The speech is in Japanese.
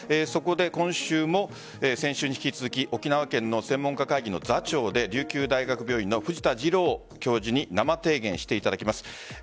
そこで今週も先週に引き続き沖縄県の専門家会議の座長で琉球大学病院の藤田次郎教授に生提言していただきます。